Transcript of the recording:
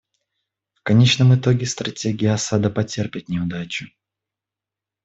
В конечном итоге стратегия Асада потерпит неудачу.